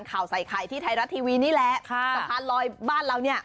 แบบของใครที่ไทยรัฐทีวีนี่ละสะพานลอยบ้านเรานี้